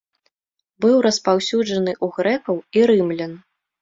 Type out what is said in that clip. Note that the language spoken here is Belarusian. Быў распаўсюджаны ў грэкаў і рымлян.